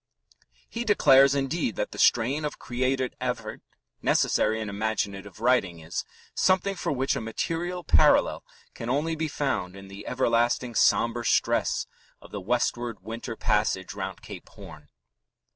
He declares, indeed, that the strain of creative effort necessary in imaginative writing is "something for which a material parallel can only be found in the everlasting sombre stress of the westward winter passage round Cape Horn."